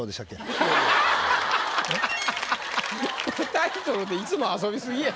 タイトルでいつも遊び過ぎや。